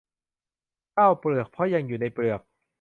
ข้าวเปลือก เพราะยังอยู่ในเปลือก